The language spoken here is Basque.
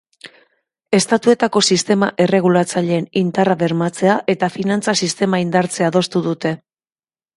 Estatuetako sistema erregulatzaileen indarra bermatzea eta finantza sistema indartzea adostu dute.